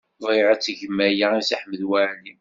Bɣiɣ ad tgem aya i Si Ḥmed Waɛli.